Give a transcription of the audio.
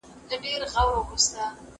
زه مخکي د کتابتون د کار مرسته کړې وه؟!